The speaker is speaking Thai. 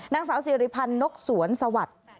นางสาวสิริพันธ์นกสวนสวัสดิ์